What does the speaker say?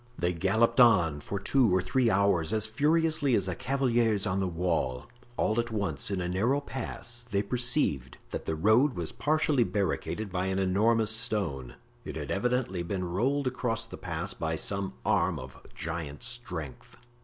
They galloped on for two or three hours as furiously as the cavaliers on the wall. All at once, in a narrow pass, they perceived that the road was partially barricaded by an enormous stone. It had evidently been rolled across the pass by some arm of giant strength.